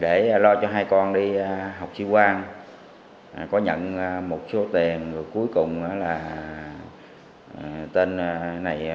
để lo cho hai con đi học sĩ quan có nhận một số tiền rồi cuối cùng là tên này mới trốn